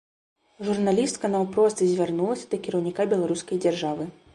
Журналістка наўпрост звярнулася да кіраўніка беларускай дзяржавы.